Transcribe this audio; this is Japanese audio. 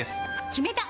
決めた！